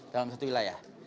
dalam satu wilayah